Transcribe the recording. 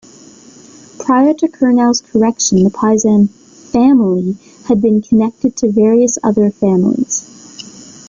Prior to Curnow's correction, the Paezan "family" had been connected to various other families.